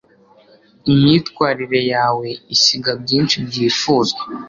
imyitwarire yawe isiga byinshi byifuzwa